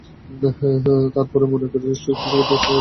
তবে পরে তাঁরা মনে করেছেন, স্টোকস কিছু ক্ষেত্রে সীমা ছাড়িয়ে গেছেন।